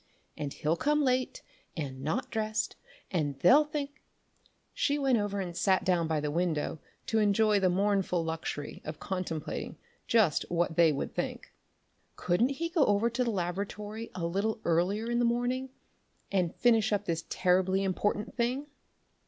"And he'll come late and not dressed and they'll think," she went over and sat down by the window to enjoy the mournful luxury of contemplating just what they would think. Couldn't he go over to the laboratory a little earlier in the morning and finish up this terribly important thing?